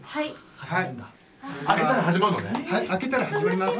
はい開けたら始まります。